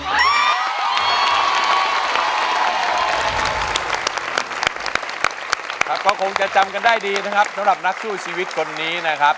ครับก็คงที่จะจำได้ได้ดีนะครับ